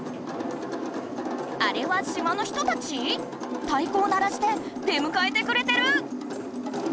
あれは島の人たち⁉たいこを鳴らして出むかえてくれてる！